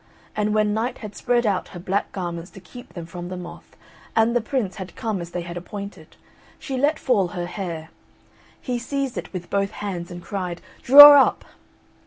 And when Night had spread out her black garments to keep them from the moth, and the Prince had come as they had appointed, she let fall her hair; he seized it with both hands, and cried, "Draw up."